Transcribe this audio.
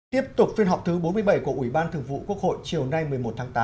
tiếp tục phiên họp thứ bốn mươi bảy của ủy ban thường vụ quốc hội chiều nay một mươi một tháng tám